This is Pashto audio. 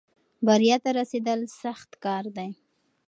بریا ته رسېدل سخت کار دی.